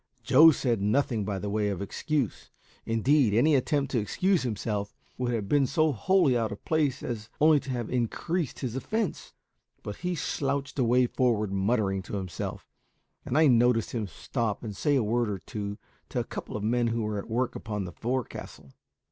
Joe said nothing by way of excuse indeed, any attempt to excuse himself would have been so wholly out of place as only to have increased his offence but he slouched away forward, muttering to himself, and I noticed him stop and say a word or two to a couple of men who were at work upon the forecastle.